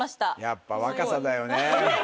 やっぱ若さだよね。